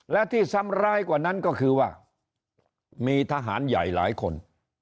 และที่ซ้ำร้ายกว่านั้นก็คือว่ามีทหารใหญ่หลายคน